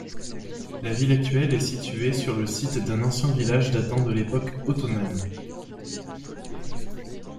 La ville actuelle est située sur le site d'un ancien village datant l'époque ottomane.